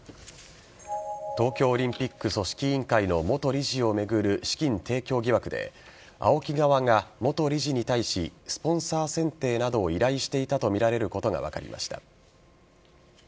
東京オリンピック組織委員会の元理事を巡る資金提供疑惑でＡＯＫＩ側が元理事に対しスポンサー選定などを依頼していたとみられることが分かりました。